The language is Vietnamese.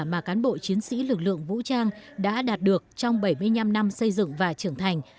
mà cán bộ chiến sĩ lực lượng vũ trang đã đạt được trong bảy mươi năm năm xây dựng và trưởng thành